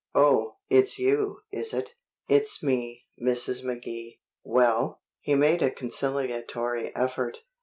"Oh, it's you, is it?" "It's me, Mrs. McKee." "Well?" He made a conciliatory effort.